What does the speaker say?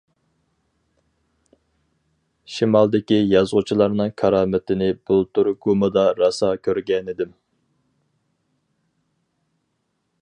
شىمالدىكى يازغۇچىلارنىڭ كارامىتىنى بۇلتۇر گۇمىدا راسا كۆرگەنىدىم.